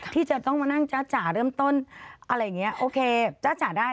ที่จะต้องมานั่งจ้าจ๋าเริ่มต้นอะไรอย่างนี้โอเคจ้าจ๋าได้